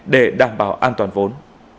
để đảm bảo an toàn vốn